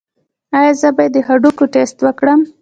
ایا زه باید د هډوکو ټسټ وکړم؟